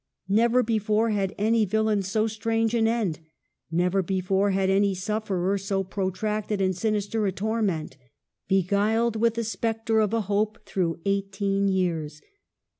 Never before had any villain so strange an end ; never before had any sufferer so protracted and sinister a torment, "beguiled with the spectre of a hope through eighteen years."